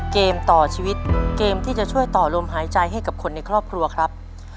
เกมต่อชีวิตเกมที่จะช่วยต่อลมหายใจให้กับคนในครอบครัวครับ